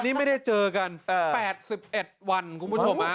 นี่ไม่ได้เจอกันแปดสิบเอ็ดวันคุณผู้ชมฮะ